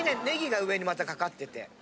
ネギが上にまたかかってて。